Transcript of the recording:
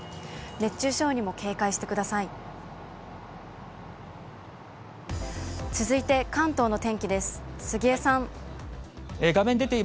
熱中症にも警戒してください。